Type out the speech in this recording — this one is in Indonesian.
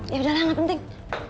yaudah lah gak penting